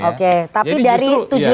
oke tapi dari tujuh ratus